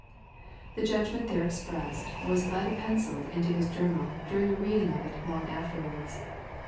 The judgment there expressed was lead penciled into his journal during a reading of it long after wards.